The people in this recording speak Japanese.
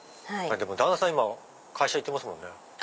旦那さん会社行ってますよね。